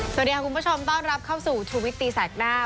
สวัสดีค่ะคุณผู้ชมต้อนรับเข้าสู่ชูวิตตีแสกหน้า